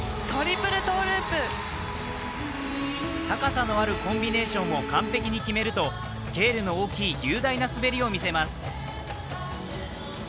高さのあるコンビネーションを完璧に決めるとスケールの大きい雄大な滑りを見せます。